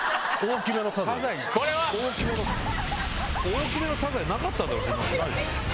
大きめのサザエなかっただろ！